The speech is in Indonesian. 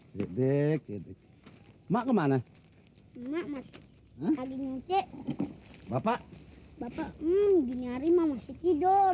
hai hai hai dek dek dek mak kemana makmalah hal ini c bapak bapak nginyari mama tidur